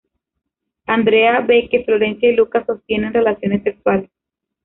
Andrea ve que Florencia y Lucas sostienen relaciones sexuales.